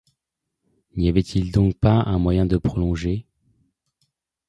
N’y avait-il donc pas un moyen de prolonger